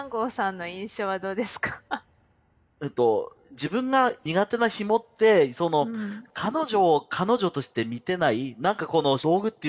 えっと自分が苦手なヒモって彼女を彼女として見てない何かこの道具っていうか。